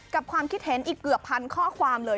ความคิดเห็นอีกเกือบพันข้อความเลย